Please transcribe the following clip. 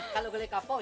kalau gulai kapo ini